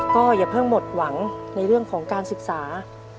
ก็อย่าเพิ่งหมดหวังในเรื่องของการศึกษา